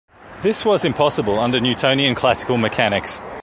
This was impossible under Newtonian classical mechanics.